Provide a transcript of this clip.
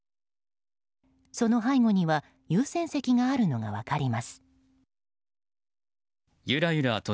その背後には「優先席」があるのが分かります。